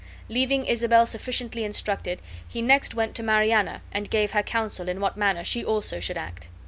Leaving Isabel sufficiently instructed, he next went to Mariana and gave her counsel in what manner she also should act.